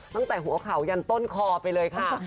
ตั้งแต่หัวเข่ายันต้นคอไปเลยค่ะ